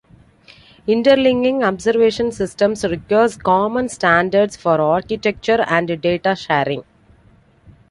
Interlinking observation systems requires common standards for architecture and data sharing.